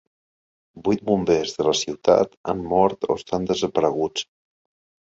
Vuit bombers de la ciutat han mort o estan desapareguts.